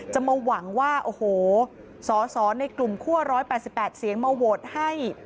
จะมาหวังว่าโอ้โหสอสอในกลุ่มคั่ว๑๘๘เสียงมาโหวตให้